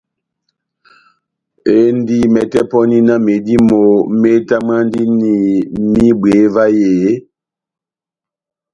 Endi mɛtɛ pɔni náh medímo metamwandini mehibweye vahe eeeh ?